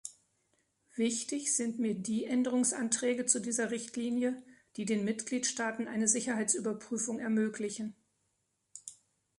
Wichtig sind mir die Änderungsanträge zu dieser Richtlinie, die den Mitgliedstaaten eine Sicherheitsüberprüfung ermöglichen.